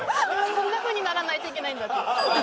こんなふうにならないといけないんだっていう。